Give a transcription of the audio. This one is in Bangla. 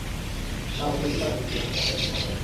যাও, ডিউটি করা দেখি, আমি আরেক জনকে পাঠাব।